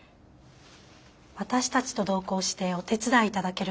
私たちと同行してお手伝い頂けると。